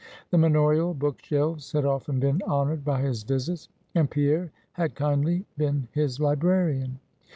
The manorial book shelves had often been honored by his visits, and Pierre had kindly been his librarian.